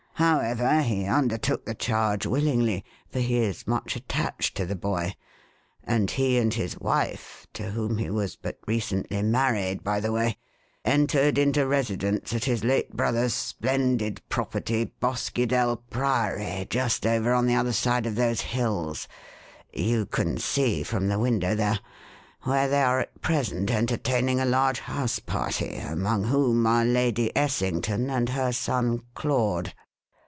However, he undertook the charge willingly, for he is much attached to the boy; and he and his wife to whom he was but recently married, by the way entered into residence at his late brother's splendid property, Boskydell Priory, just over on the other side of those hills you can see from the window, there where they are at present entertaining a large house party, among whom are Lady Essington and her son Claude."